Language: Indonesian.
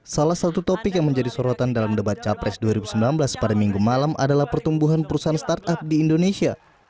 salah satu topik yang menjadi sorotan dalam debat capres dua ribu sembilan belas pada minggu malam adalah pertumbuhan perusahaan startup di indonesia